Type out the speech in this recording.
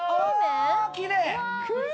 きれい！